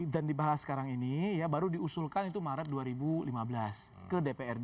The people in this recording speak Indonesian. dan dibahas sekarang ini baru diusulkan itu maret dua ribu lima belas ke dprd